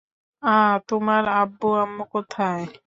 আঃ, তোমার আব্বু-আম্মু কোথায়?